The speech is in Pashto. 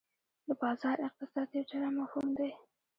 د بازار اقتصاد یو جلا مفهوم دی.